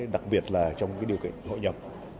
đặc biệt là trong điều kiện hội nhập